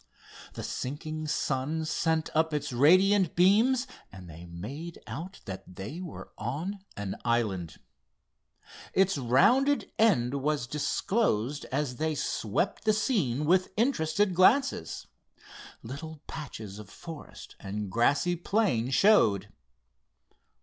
The sinking sun sent up its radiant beams and they made out that they were on an island. Its rounding end was disclosed as they swept the scene with interested glances. Little patches of forest and grassy plain showed.